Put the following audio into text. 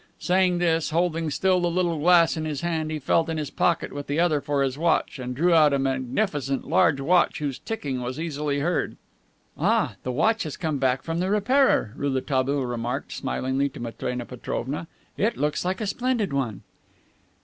Saying this, holding still the little glass in his hand, he felt in his pocket with the other for his watch, and drew out a magnificent large watch whose ticking was easily heard. "Ah, the watch has come back from the repairer," Rouletabille remarked smilingly to Matrena Petrovna. "It looks like a splendid one."